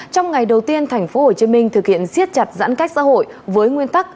trong ngày đầu tiên tp hcm thực hiện siết chặt giãn cách xã hội với nguyên tắc